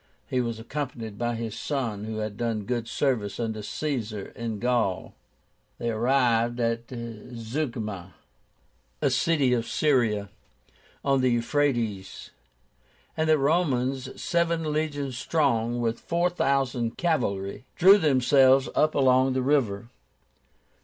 He was accompanied by his son, who had done good service under Caesar in Gaul. They arrived at Zeugma, a city of Syria, on the Euphrátes; and the Romans, seven legions strong, with four thousand cavalry, drew themselves up along the river.